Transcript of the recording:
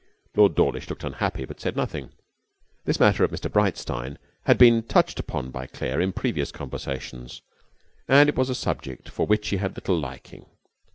Lord Dawlish looked unhappy, but said nothing. This matter of Mr Breitstein had been touched upon by Claire in previous conversations, and it was a subject for which he had little liking.